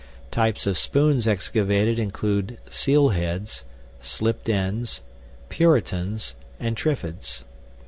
Types of spoons excavated include seal heads, slipped ends, "puritans," and trifids.